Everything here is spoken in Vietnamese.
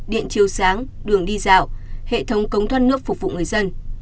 điện chiều sáng đường đi dạo hệ thống cống thoát nước phục vụ người dân